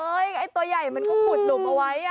ไอ้ตัวใหญ่มันก็ขุดหลุมเอาไว้